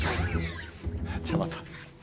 じゃあまた！